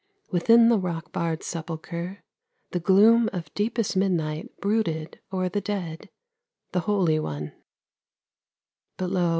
Within the rock barred sepulchre, the gloom Of deepest midnight brooded o'er the dead, The Holy One : but lo